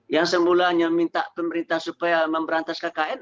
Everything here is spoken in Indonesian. yang semulanya minta pemerintah supaya memberantas kkn